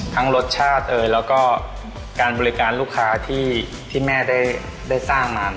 รสชาติแล้วก็การบริการลูกค้าที่แม่ได้สร้างมา